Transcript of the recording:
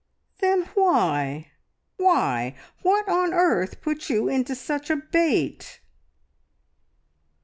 "Then why why ? What on earth put you into such a bait?"